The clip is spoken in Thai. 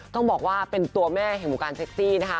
ต้องบอกว่าเป็นตัวแม่เห็นหัวการเซ็คซี่